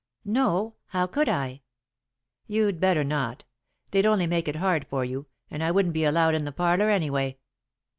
"No. How could I?" "You'd better not. They'd only make it hard for you, and I wouldn't be allowed in the parlour anyway."